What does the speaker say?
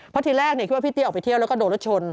เพราะทีแรกคิดว่าพี่เตี้ยออกไปเที่ยวแล้วก็โดนรถชน